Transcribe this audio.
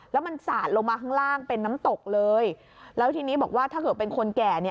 แล้วมันสาดลงมาข้างล่างเป็นน้ำตกเลยแล้วทีนี้บอกว่าถ้าเกิดเป็นคนแก่เนี่ย